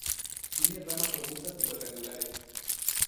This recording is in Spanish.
Tiene ramas robustas y cuadrangulares.